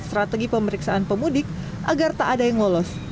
strategi pemeriksaan pemudik agar tak ada yang lolos